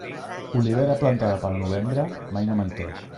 Olivera plantada pel novembre, mai no menteix.